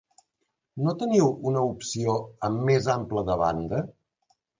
No teniu una opció amb més ample de banda?